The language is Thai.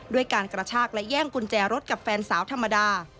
ด้วยการกระชากและแย่งกุญแจรถกับแฟนสาวธรรมดา